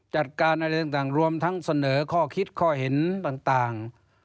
จัดการอะไรต่างรวมทั้งเสนอข้อคิดข้อเห็นต่าง